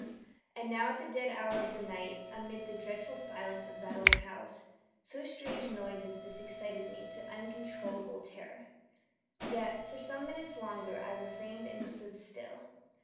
And now at the dead hour of the night, amid the dreadful silence of that old house, so strange a noise as this excited me to uncontrollable terror. Yet, for some minutes longer I refrained and stood still.